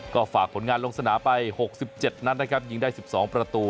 ก็ฝากผลงานลงสนามไป๖๗นัดนะครับยิงได้๑๒ประตู